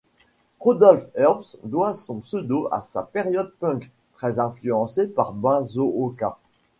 Rodolphe Urbs doit son pseudo à sa période punk, très influencé par Bazooka.